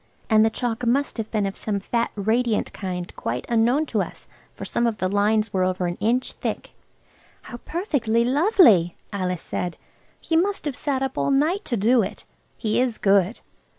And the chalk must have been of some fat radiant kind quite unknown to us, for some of the lines were over an inch thick. "How perfectly lovely!" Alice said; "he must have sat up all night to do it. He is good.